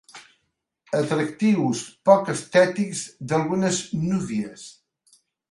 Atractius poc estètics d'algunes núvies.